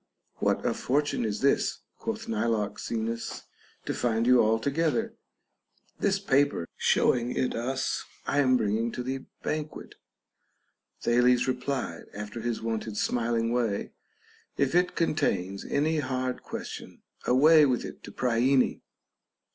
What a fortune is this (quoth Nilox enus) to find you all together ! This paper (showing it us) I am bringing to the banquet. Thales replied, after his wonted smiling way, If it contains any hard question, away with it to Priene.